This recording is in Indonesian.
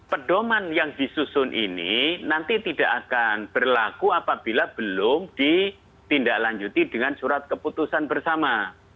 pedoman yang disusun ini nanti tidak akan berlaku apabila belum ditindaklanjuti dengan surat keputusan bersama